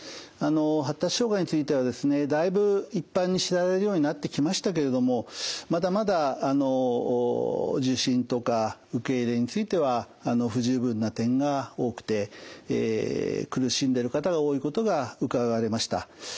発達障害についてはですねだいぶ一般に知られるようになってきましたけれどもまだまだ受診とか受け入れについては不十分な点が多くて苦しんでる方が多いことがうかがわれました。